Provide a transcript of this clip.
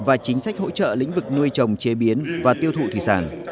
và chính sách hỗ trợ lĩnh vực nuôi trồng chế biến và tiêu thụ thủy sản